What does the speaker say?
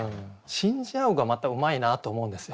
「信じ合ふ」がまたうまいなと思うんですよ。